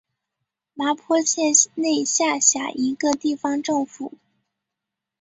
麻坡县内下辖一个地方政府。